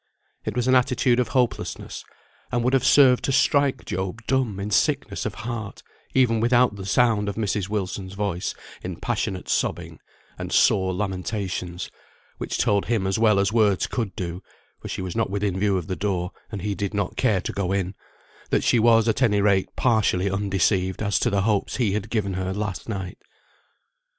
It was an attitude of hopelessness, and would have served to strike Job dumb in sickness of heart, even without the sound of Mrs. Wilson's voice in passionate sobbing, and sore lamentations, which told him as well as words could do (for she was not within view of the door, and he did not care to go in), that she was at any rate partially undeceived as to the hopes he had given her last night.